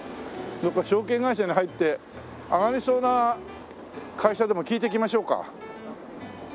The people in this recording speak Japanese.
どっか証券会社に入って上がりそうな会社でも聞いてきましょうか。